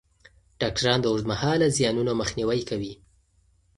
ډاکټران د اوږدمهاله زیانونو مخنیوی کوي.